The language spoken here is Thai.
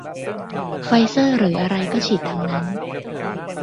ไฟเซอร์หรืออะไรก็ฉีดทั้งนั้น